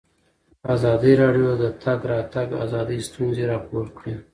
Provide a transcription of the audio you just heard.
ازادي راډیو د د تګ راتګ ازادي ستونزې راپور کړي.